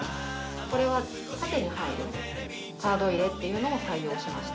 これは縦に入るカード入れっていうのを採用しました。